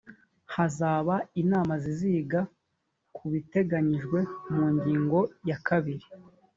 hazaba inama ziziga ku biteganijwe mu ngingo yakabiri.